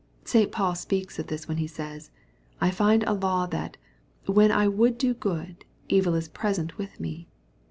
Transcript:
St. Paul speaks of this when he says, " I find a law, that, when I would do good, evil is present with me.